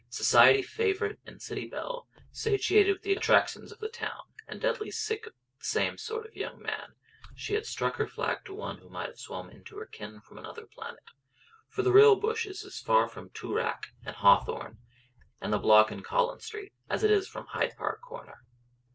Society favourite and city belle, satiated with the attractions of the town, and deadly sick of the same sort of young man, she had struck her flag to one who might have swum into her ken from another planet; for the real bush is as far from Toorak and Hawthorn, and The Block in Collins Street, as it is from Hyde Park Corner.